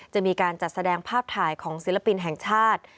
จะมีการจัดแสดงภาพถ่ายของศิลปินแห่งชาติ